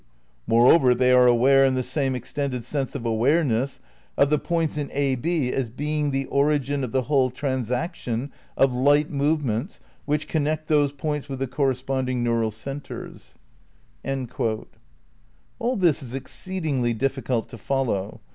Moreover, they are aware, in the same ex tended sense of 'awareness', of the points in ab as being the origin of the whole transaction of light movements which connect those points with the corresponding neural centres." " All this is exceedingly difficult to follow.